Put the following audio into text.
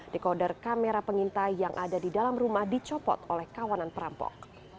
dekoder kamera pengintai yang ada di dalam rumah dicopot oleh kawanan perampok